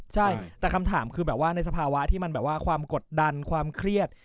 ใช่แต่คำถามคือในสภาวะที่มันความกดดันความเครียด